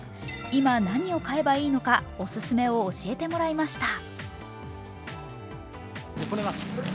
今、何を買えばいいのかオススメを教えてもらいました。